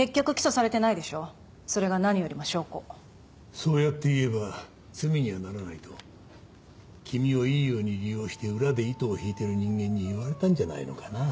そうやって言えば罪にはならないと君をいいように利用して裏で糸を引いてる人間に言われたんじゃないのかな？